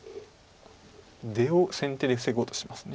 出を先手で防ごうとしてます。